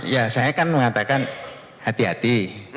ya saya kan mengatakan hati hati